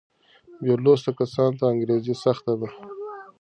بې لوسته کسانو ته انګرېزي سخته ده.